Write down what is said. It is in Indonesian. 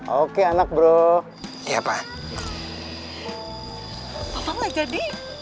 rocks oke anak bro iya pa pa jadi